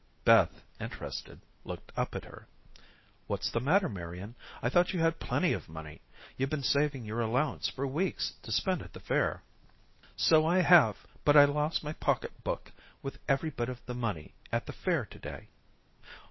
Beth, interested, looked up at her, "What's the matter, Marian? I thought you had plenty of money. You've been saving your allowance for weeks to spend at the Fair." "So I have, but I lost my pocketbook with every bit of the money at the Fair to day."